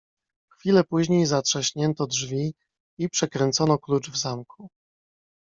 "W chwile później zatrzaśnięto drzwi i przekręcono klucz w zamku."